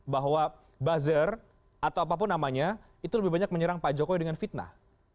bahwa buzzer atau apapun namanya itu lebih banyak menyerang pak jokowi dengan fitnah